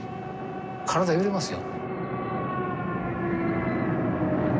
体揺れますよ。